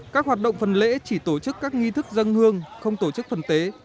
các hoạt động phần lễ chỉ tổ chức các nghi thức dân hương không tổ chức phần tế